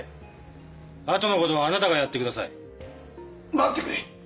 待ってくれ！